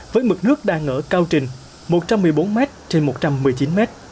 với mực nước đang ở cao trình một trăm một mươi bốn m trên một trăm một mươi chín m